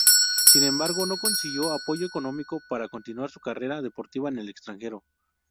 Sin embargo, no consiguió apoyo económico para continuar su carrera deportiva en el extranjero.